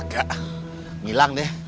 gak hilang deh